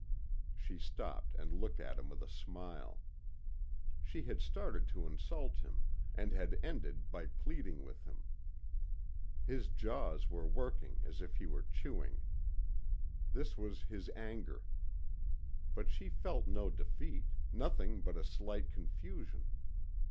She stopped and looked at him with a smile. She had started to insult him and had ended by pleading with him. His jaws were working as if he were chewing. This was his anger. But she felt no defeat, nothing but a slight confusion.